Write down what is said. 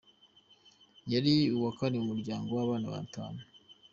Yari uwa kane mu muryango w’abana batanu.